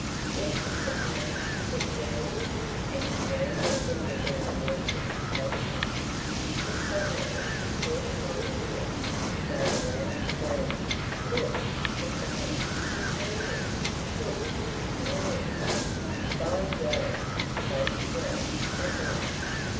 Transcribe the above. "Yes, Mr. Hammond," said Jean, and she ran her finger down the dent of his felt hat. But suddenly she caught him by the ear and gave a loud scream. "Lo ok, Mr. Hammond! She's moving! Look, she's coming in!" By Jove! So she was. At last!